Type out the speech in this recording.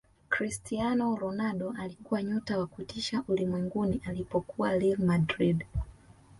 cristiano ronaldo alikuwa nyota wa kutisha ulimwenguni alipokuwa real madrid